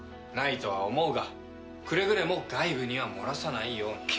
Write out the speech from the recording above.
ないとは思うがくれぐれも外部には漏らさないように。